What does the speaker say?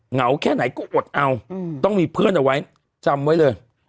เหงาแค่ไหนก็อดเอาต้องมีเพื่อนเอาไว้จำไว้เลย